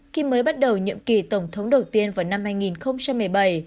khi mới bắt đầu nhiệm kỳ tổng thống đầu tiên vào năm hai nghìn một mươi bảy